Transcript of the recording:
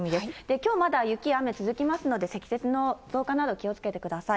きょうまだ雪、雨続きますので、積雪の増加など、気をつけてください。